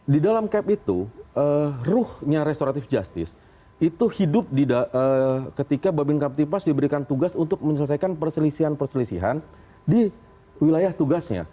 di dalam cap itu ruhnya restoratif justice itu hidup ketika babin kaptipas diberikan tugas untuk menyelesaikan perselisihan perselisihan di wilayah tugasnya